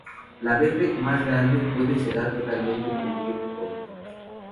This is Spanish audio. La verde, más grande, puede cegar totalmente por un tiempo corto.